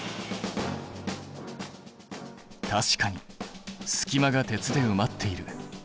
確かに隙間が鉄でうまっている。